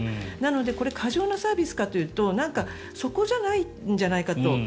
これ、過剰なサービスかというとそこじゃないんじゃないかと。